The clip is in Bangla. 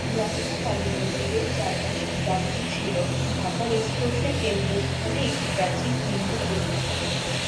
রমনা কালী মন্দিরের চারপাশের গ্রামটি ছিল ঢাকা রেস কোর্সের কেন্দ্রস্থলে একটি প্রাচীন হিন্দু পল্লী।